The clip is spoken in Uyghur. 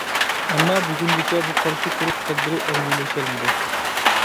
ئەمما بۈگۈنگىچە بۇ قارشى تۇرۇش تەدبىرى ئەمەلىيلەشمىدى.